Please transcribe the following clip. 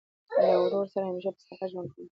له ورور سره همېشه په صداقت ژوند کوئ!